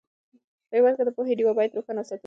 په هېواد کې د پوهې ډېوې باید روښانه وساتل سي.